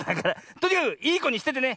とにかくいいこにしててね。